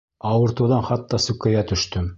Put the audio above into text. Ауыртыуҙан хатта сүкәйә төштөм.